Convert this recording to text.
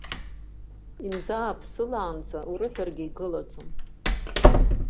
Инӡааԥсылаанӡа урыҳәаргьы игылаӡом.